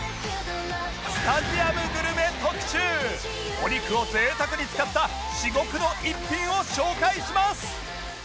お肉を贅沢に使った至極の逸品を紹介します！